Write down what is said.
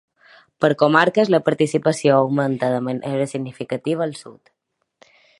Per comarques, la participació augmenta de manera significativa al sud.